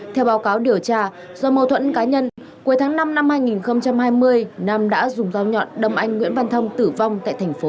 theo báo cáo điều tra do mâu thuẫn cá nhân cuối tháng năm năm hai nghìn hai mươi nam đã dùng dao nhọn đâm anh nguyễn văn thông tử vong tại thành phố